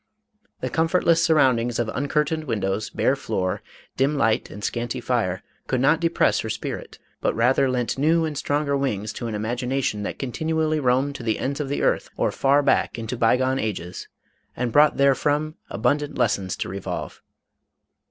The comfortless sur roundings of uncurtained windows, bare floor, dim light and scanty fire, could not depress her spirit, but rather lent new and stronger wings to an imagination MADAME ROLAND. 493 that continually roamed to the ends of the earth or far back into by gone ages, and brought therefrom abun dant lessons to revolve.